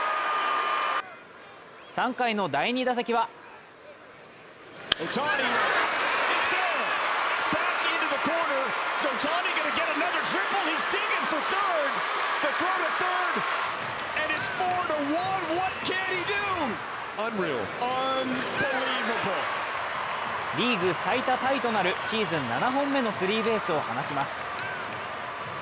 ３回の第２打席はリーグ最多タイとなるシーズン７本目のスリーベースを放ちます。